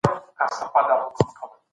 تاسو ولې خپل توکي په بهر کي نه پلورئ؟